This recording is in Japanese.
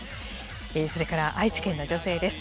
それから愛知県の女性です。